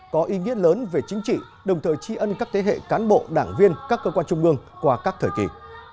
có ý nghĩa lớn về chính trị đồng thời tri ân các thế hệ cán bộ đảng viên các cơ quan trung ương qua các thời kỳ